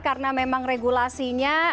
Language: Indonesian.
karena memang regulasinya